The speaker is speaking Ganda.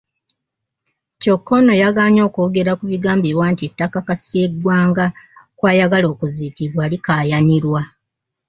Kyokka ono yagaanye okwogera ku bigambibwa nti ettaka Kasirye Gwanga kw'ayagala okuziikibwa likaayanirwa.